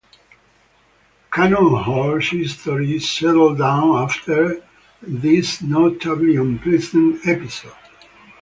Cannon Hall's history settled down after this notably unpleasant episode.